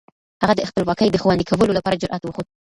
هغه د خپلواکۍ د خوندي کولو لپاره جرئت وښود.